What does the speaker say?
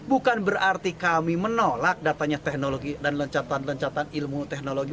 bukan berarti kami menolak datanya teknologi dan lencatan lencatan ilmu teknologi